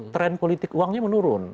tren politik uangnya menurun